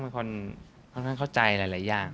อ๋อไม่หรอครับผมว่าเขาค่อนข้างเป็นคนค่อนข้างเข้าใจหลายอย่าง